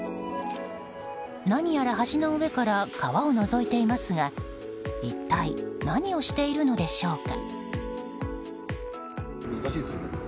何やら橋の上から川をのぞいていますが一体何をしているのでしょうか。